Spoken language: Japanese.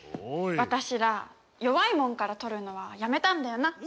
私ら弱いもんから取るのはやめたんだよな。